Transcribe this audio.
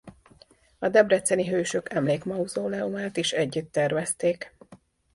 A debreceni hősök emlék-mauzóleumát is együtt tervezték.